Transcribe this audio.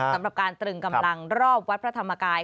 สำหรับการตรึงกำลังรอบวัดพระธรรมกาย